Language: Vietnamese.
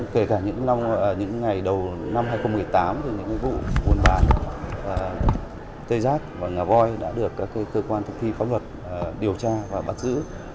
kể cả những ngày đầu năm hai nghìn một mươi tám những vụ buôn bán cây rác và ngà voi đã được các cơ quan thực thi pháp luật điều tra và bắt giữ